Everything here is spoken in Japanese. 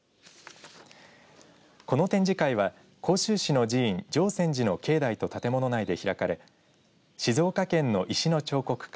この展示会は甲州市の寺院常泉寺の境内と建物内で開かれ静岡県の石の彫刻家